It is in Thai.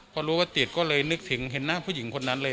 พอรู้ว่าจิตก็เลยนึกถึงเห็นหน้าผู้หญิงคนนั้นเลย